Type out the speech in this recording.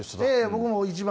僕も１番。